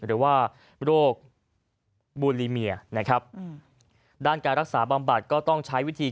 หรือว่าโรคบูลีเมียนะครับด้านการรักษาบำบัดก็ต้องใช้วิธี